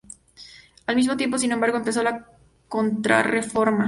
Al mismo tiempo, sin embargo, empezó la Contrarreforma.